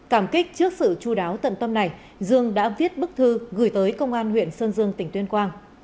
cảm kích trước sự chú đáo tận tâm này dương đã viết bức thư gửi tới công an huyện sơn dương tỉnh tuyên quang